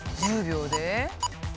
１０秒で？